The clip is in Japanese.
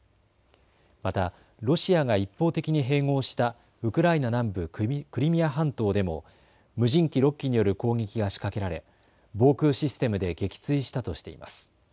またロシアが一方的に併合したウクライナ南部クリミア半島でも無人機６機による攻撃が仕掛けられ、防空システムで撃墜したとしています。